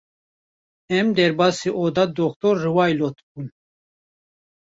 Em derbasî oda Dr. Rweylot bûn.